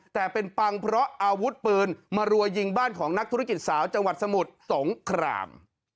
แต่เป็นปังเพราะอาวุธปืนมารัวยิงบ้านของนักธุรกิจสาวจังหวัดสมุทรสงคราม